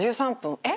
えっ！